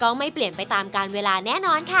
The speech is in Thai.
ไม่เปลี่ยนไปตามการเวลาแน่นอนค่ะ